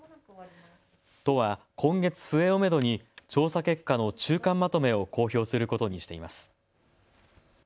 都は今月末をめどに調査結果の中間まとめを公表することにしています。